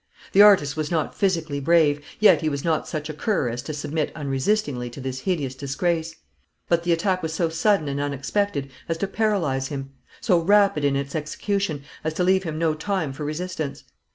The artist was not physically brave, yet he was not such a cur as to submit unresistingly to this hideous disgrace; but the attack was so sudden and unexpected as to paralyse him so rapid in its execution as to leave him no time for resistance.